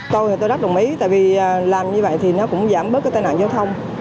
tôi rất đồng ý tại vì làm như vậy thì nó cũng giảm bớt cái tai nạn giao thông